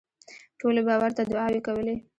ټولو به ورته دوعاوې کولې.